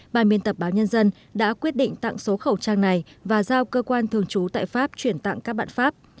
ban miên tập báo nhân dân đã quyết định tặng số khẩu trang này và giao cơ quan thường trú tại pháp chuyển tặng các bạn pháp